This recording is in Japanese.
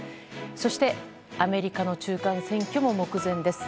そしてアメリカの中間選挙も目前です。